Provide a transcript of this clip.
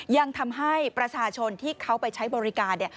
ยังทำให้ประชาชนที่เขาไปใช้บริการเนี่ย